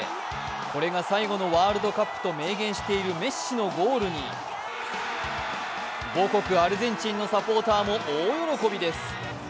これが最後のワールドカップと明言しているメッシのゴールに母国アルゼンチンのサポーターも大喜びです。